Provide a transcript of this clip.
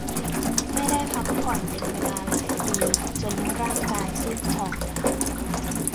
ไม่ได้พักผ่อนเป็นเวลาหลายปีจนร่างกายซูบผอม